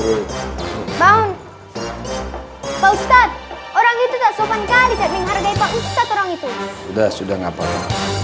pak ustadz orang itu tak sopan kali tak menghargai pak ustadz orang itu